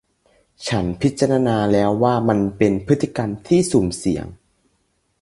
ฉันพิจารณาแล้วว่ามันเป็นพฤติกรรมที่สุ่มเสี่ยง